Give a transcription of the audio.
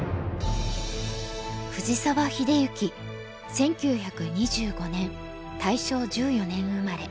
１９２５年大正１４年生まれ。